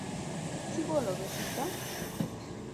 কী বল রসিকদা!